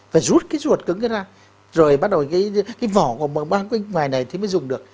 phải rút cái ruột cứng ra rồi bắt đầu cái vỏ của ba kích ngoài này thì mới dùng được